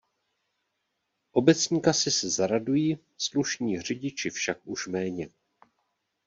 Obecní kasy se zaradují, slušní řidiči však už méně.